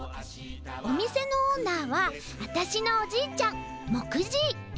おみせのオーナーはあたしのおじいちゃんもくじぃ。